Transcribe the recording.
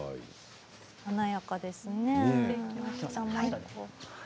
華やかですね。